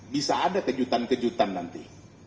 bisa ada kejutan kejutan nanti